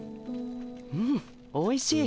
うんおいしい。